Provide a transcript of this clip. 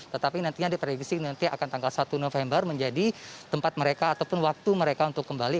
tetapi nantinya diprediksi nanti akan tanggal satu november menjadi tempat mereka ataupun waktu mereka untuk kembali